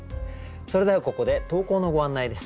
それではここで投稿のご案内です。